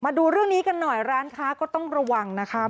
มาดูเรื่องนี้กันหน่อยร้านค้าก็ต้องระวังนะคะ